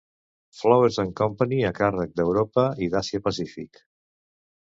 Flowers and Company a càrrec d'Europa i d'Àsia-Pacífic.